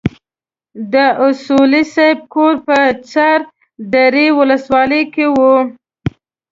د اصولي صیب کور په چار درې ولسوالۍ کې وو.